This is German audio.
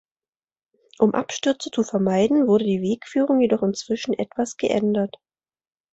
Um Abstürze zu vermeiden, wurde die Wegführung jedoch inzwischen etwas geändert.